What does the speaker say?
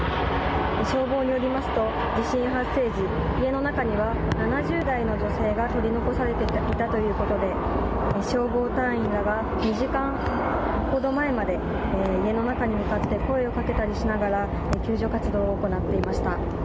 消防によりますと、地震発生時、家の中には７０代の女性が取り残されていたということで、消防隊員らが２時間ほど前まで、家の中に向かって声をかけたりしながら、救助活動を行っていました。